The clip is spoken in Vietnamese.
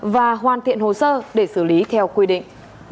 và hoàn thiện hồ sơ để xử lý theo quy định